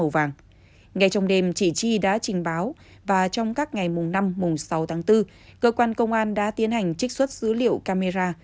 và trong các ngày mùng năm mùng sáu tháng bốn cơ quan công an đã tiến hành trích xuất dữ liệu camera